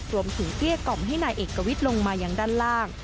เกลี้ยกล่อมให้นายเอกวิทย์ลงมายังด้านล่าง